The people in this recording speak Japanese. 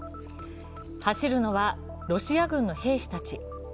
走るのはロシア軍の兵士たち。